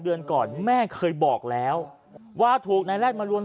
ชาวบ้านญาติโปรดแค้นไปดูภาพบรรยากาศขณะ